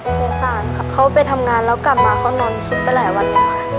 สงสารค่ะเขาไปทำงานแล้วกลับมาเขานอนซุดไปหลายวันเลยค่ะ